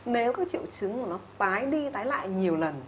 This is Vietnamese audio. nếu các triệu chứng của nó tái đi tái lại nhiều lần